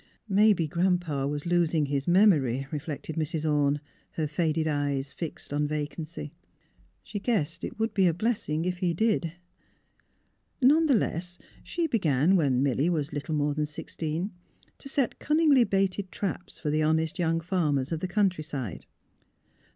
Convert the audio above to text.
Maybe Grandpa was losing his memory, re flected Mrs. Orne, her faded eyes fixed on vacancy. She guessed it would be a blessing if he did. ... None the less she began, when Milly was little more than sixteen, to set cunningly baited traps for the honest young farmers of the countryside.